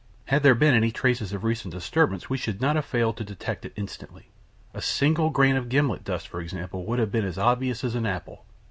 Had there been any traces of recent disturbance we should not have failed to detect it instantly. A single grain of gimlet dust, for example, would have been as obvious as an apple.